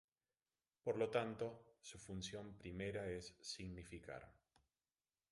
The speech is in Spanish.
Por lo tanto, su función primera es significar.